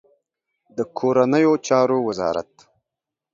د کورنیو چارو وزارت